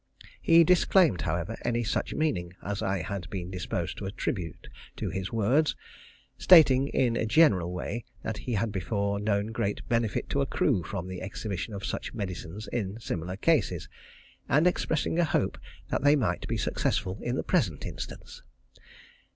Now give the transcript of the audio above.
He disclaimed, however, any such meaning as I had been disposed to attribute to his words, stating, in a general way, that he had before known great benefit to accrue from the exhibition of such medicines in similar cases, and expressing a hope that they might be successful in the present instance.